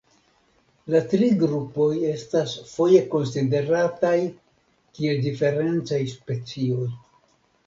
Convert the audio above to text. La tri grupoj estas foje konsiderataj kiel diferencaj specioj.